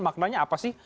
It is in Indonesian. maknanya apa sih